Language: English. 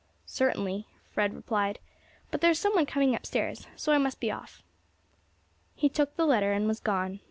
"Certainly," Fred replied; "but there is some one coming upstairs, so I must be off." He took the letter and was gone.